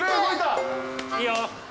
いいよ。